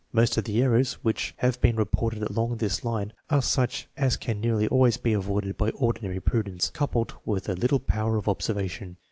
Most of the errors which have been reported along this line are such as can nearly always be avoided by ordinary prudence, coupled with a little power of observation.